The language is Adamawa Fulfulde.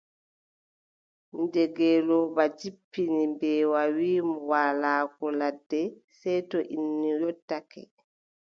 Nde ngeelooba jippini mbeewa wii mo waalugo ladde, sey to innu yottake.